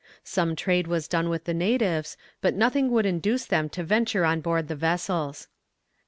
Some trade was done with the natives, but nothing would induce them to venture on board the vessels.